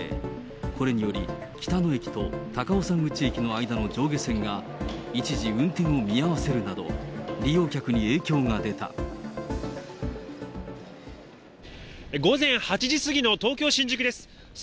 これにより、北野駅と高尾山口駅の間の上下線が一時運転を見合わせるなど、午前８時過ぎの東京・新宿です。